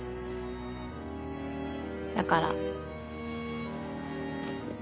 だから。